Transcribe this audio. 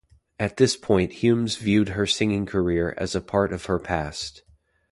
At this point Humes viewed her singing career as a part of her past.